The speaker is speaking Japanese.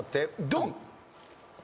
ドン！